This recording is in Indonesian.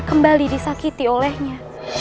kembali disakiti olehnya